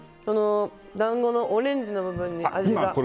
団子のオレンジの部分に味が。